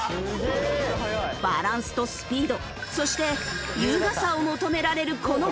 バランスとスピードそして優雅さを求められるこの競技は。